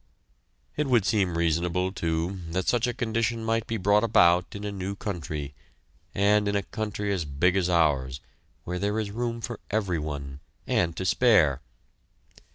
It would seem reasonable, too, that such a condition might be brought about in a new country, and in a country as big as ours, where there is room for everyone and to spare.